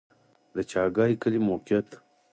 د چاګای کلی موقعیت